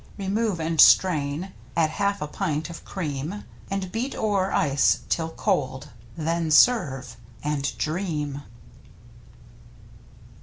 Remove and strain. Add half a pint of cream. And beat o'er ice till cold. Then serve and dream!